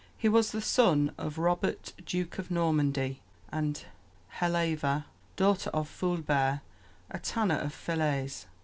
He was the son of Robert, Duke of Normandy and Herleva, daughter of Fulbert, a tanner of Falaise.